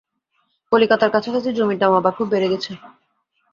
কলিকাতার কাছাকাছি জমির দাম আবার খুব বেড়ে গেছে।